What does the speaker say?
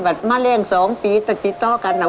แบบมาเรียง๒ปีตัดปีเจ้ากันน่ะ